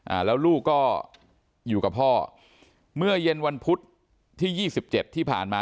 อ่าแล้วลูกก็อยู่กับพ่อเมื่อเย็นวันพุธที่ยี่สิบเจ็ดที่ผ่านมา